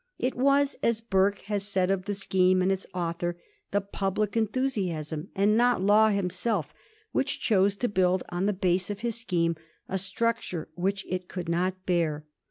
It was, as Burke has said of the scheme and its author, the public enthusiasm, and not Law himself, which chose to build on the base of his scheme a structure which it could not bear.